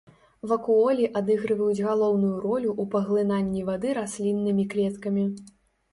Вакуолі адыгрываюць галоўную ролю ў паглынанні вады расліннымі клеткамі.